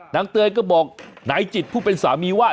เตยก็บอกนายจิตผู้เป็นสามีว่า